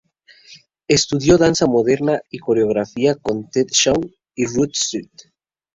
Estudió danza moderna y coreografía con Ted Shawn y Ruth St.